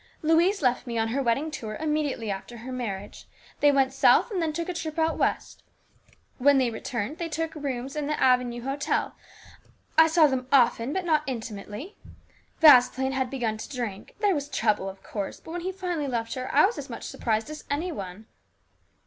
" Louise left me on her wedding tour immediately after her marriage. They went South and then took a trip out West. When they returned they took rooms in the Avenue Hotel. I saw them often but not intimately. Vasplaine had begun to drink. There was trouble, of course. But when he finally left her I was as much surprised as any one."